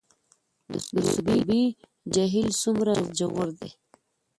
د سروبي جهیل څومره ژور دی؟